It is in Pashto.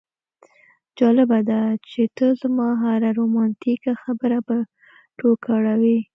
جالبه ده چې ته زما هره رومانتیکه خبره په ټوکه اړوې